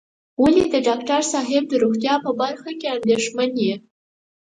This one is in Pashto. ولې د ډاکټر صاحب د روغتيا په برخه کې اندېښمن یې.